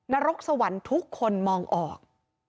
นรกสวรรค์ทุกคนมองออก